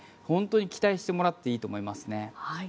本当に期待してもらっていいと思いますね。